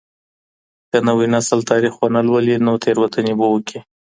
که نوی نسل تاريخ ونه لولي نو تېروتنې به وکړي.